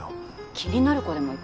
気になる子でもいた？